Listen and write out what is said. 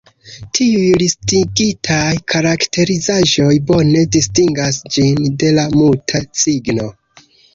Tiuj listigitaj karakterizaĵoj bone distingas ĝin de la Muta cigno.